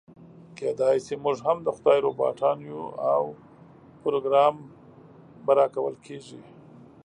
کيداشي موږ هم د خدای روباټان يو او پروګرام به راکول کېږي.